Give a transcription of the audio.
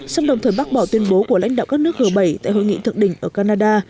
xong đồng thời bác bỏ tuyên bố của lãnh đạo các nước g bảy tại hội nghị thượng đỉnh ở canada